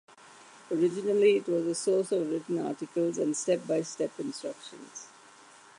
Originally it was a source of written articles and step-by-step instructions.